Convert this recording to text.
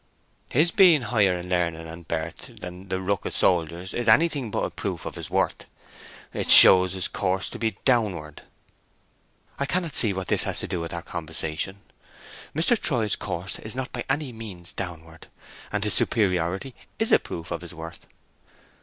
"His being higher in learning and birth than the ruck o' soldiers is anything but a proof of his worth. It show's his course to be down'ard." "I cannot see what this has to do with our conversation. Mr. Troy's course is not by any means downward; and his superiority is a proof of his worth!"